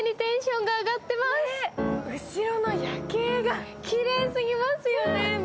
後ろの夜景がきれいすぎますよね。